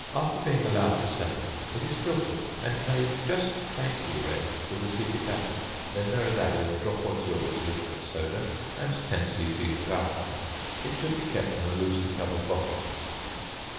After being allowed to settle, it is filtered and made just faintly red with acetic acid. Then there is added a drop or two of a solution of soda and 10 c.c. of alcohol. It should be kept in a loosely covered bottle.